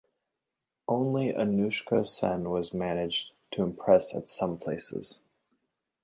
Only Anushka Sen was managed to impress at some places.